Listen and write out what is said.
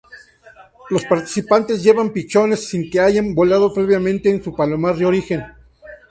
Los participantes llevan pichones, sin que hayan volado previamente en su palomar de origen.